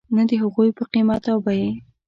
نه د هغوی په قیمت او بیې .